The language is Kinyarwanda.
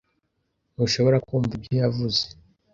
Ntushobora kumva ibyo yavuze.